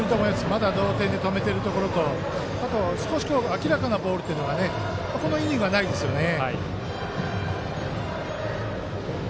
まだ同点で止めているところとあと明らかなボールというのがこのイニングはないですね。